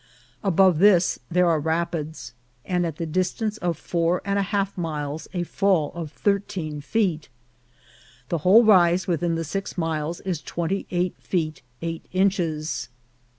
Above this there are rapids, and at the distance of four and a half miles a fall of thirteen feet. The whole rise within the six miles is twenty eight feet eight inches.